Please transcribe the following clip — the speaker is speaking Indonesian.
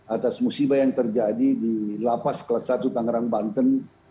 atas musibah yang terjadi di lapas kelas satu tangerang banten